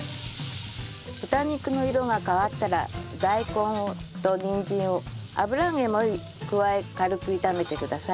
豚肉の色が変わったら大根とにんじんを油揚げも加え軽く炒めてください。